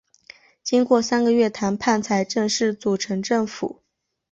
经过三个月谈判才正式组成政府。